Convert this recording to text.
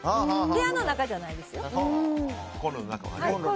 部屋の中じゃないですよ。